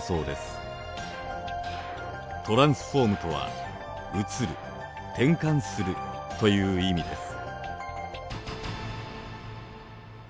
「トランスフォーム」とは「移る」「転換する」という意味です。